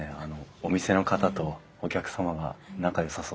お店の方とお客様が仲よさそうで。